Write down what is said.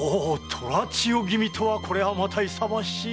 虎千代君とはこれはまた勇ましい。